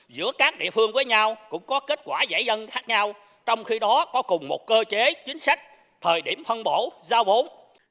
giữa các địa phương với nhau cũng có kết quả giải dân khác nhau trong khi đó có cùng một cơ chế chính sách thời điểm phân bổ giao bốn